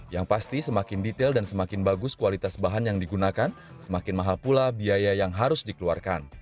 yang pasti semakin detail dan semakin bagus kualitas bahan yang digunakan semakin mahal pula biaya yang harus dikeluarkan